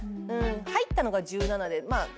入ったのが１７でまあ１８か。